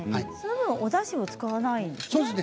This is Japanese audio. おだしは使わないんですね。